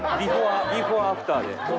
ビフォーアフターで。